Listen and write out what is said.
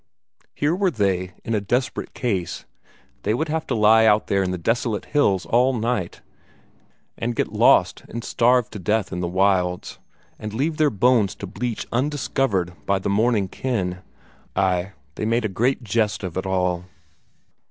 Here were they in a desperate case; they would have to lie out there in the desolate hills all night. And get lost and starve to death in the wilds, and leave their bones to bleach undiscovered by their mourning kin ay, they made a great jest of it all.